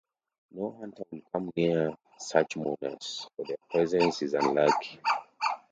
No hunter would come near such mourners, for their presence is unlucky.